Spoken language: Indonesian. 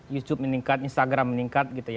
youtube meningkat instagram meningkat